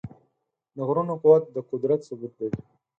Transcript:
د غرونو قوت د قدرت ثبوت دی.